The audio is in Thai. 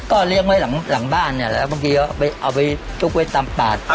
ก็เลี้ยงไว้หลังบ้านเนี่ยแล้วบางทีก็ไปเอาไปซุกไว้ตามป่า